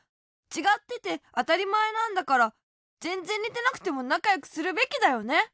ちがっててあたりまえなんだからぜんぜんにてなくてもなかよくするべきだよね。